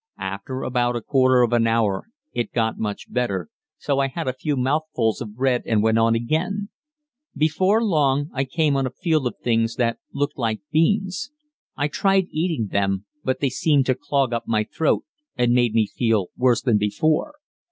After about a quarter of an hour it got much better, so I had a few mouthfuls of bread and went on again. Before long I came on a field of things that looked like beans. I tried eating them, but they seemed to clog up my throat and made me feel worse than before.